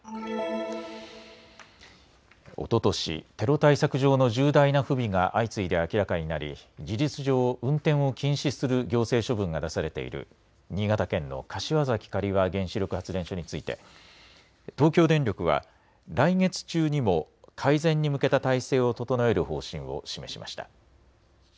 おととしテロ対策上の重大な不備が相次いで明らかになり事実上運転を禁止する行政処分が出されている新潟県の柏崎刈羽原子力発電所について東京電力は来月中にも改善に向けた体制を整える方針を示しました。